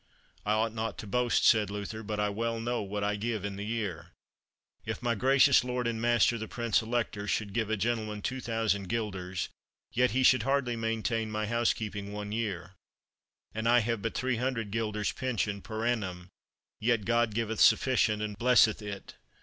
I ought not to boast, said Luther, but I well know what I give in the year. If my gracious lord and master, the Prince Elector, should give a gentleman two thousand guilders, yet he should hardly maintain my housekeeping one year, and I have but three hundred guilders pension per annum; yet God giveth sufficient and blesseth it.